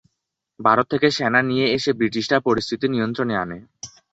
ভারত থেকে সেনা নিয়ে এসে ব্রিটিশরা পরিস্থিতি নিয়ন্ত্রণে আনে।